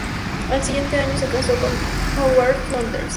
Al siguiente año, se casó con Howard Flanders.